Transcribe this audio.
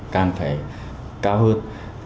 càng phải cao hơn